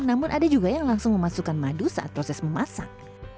namun ada juga yang langsung memasukkan madu saat proses memasak